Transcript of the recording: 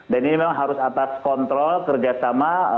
dan ini memang harus atas kontrol kerjasama